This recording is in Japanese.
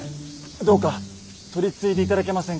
どうか取り次いで頂けませんか？